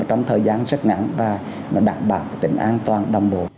trong thời gian rất ngắn và đảm bảo tính an toàn đồng bộ